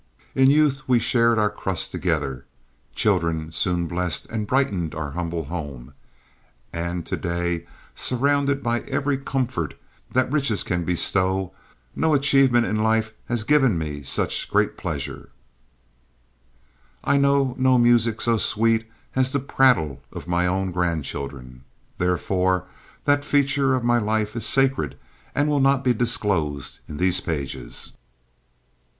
In youth we shared our crust together; children soon blessed and brightened our humble home, and to day, surrounded by every comfort that riches can bestow, no achievement in life has given me such great pleasure, I know no music so sweet, as the prattle of my own grandchildren. Therefore that feature of my life is sacred, and will not be disclosed in these pages.